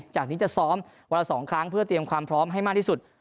จากนี้จะซ้อมวันละ๒ครั้งเพื่อเตรียมความพร้อมให้มากที่สุด